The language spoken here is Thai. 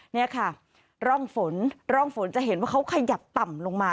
นี่ค่ะร่องฝนร่องฝนจะเห็นว่าเขาขยับต่ำลงมา